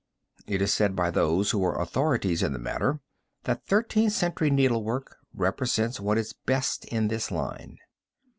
It is said by those who are authorities in the matter that Thirteenth Century needlework represents what is best in this line.